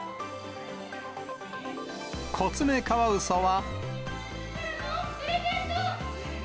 コツメカワウソは。